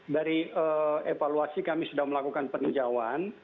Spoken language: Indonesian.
dari evaluasi kami sudah melakukan peninjauan